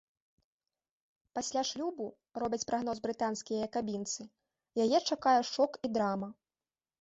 Пасля шлюбу, робяць прагноз брытанскія якабінцы, яе чакае шок і драма.